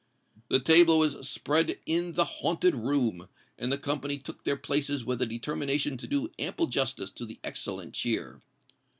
The table was spread in "the haunted room;" and the company took their places with a determination to do ample justice to the excellent cheer.